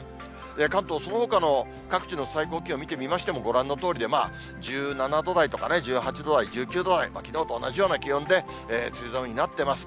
関東、そのほかの各地の最高気温見てみましても、ご覧のとおりで、１７度台とか、１８度台、１９度台、きのうと同じような気温で、梅雨寒になってます。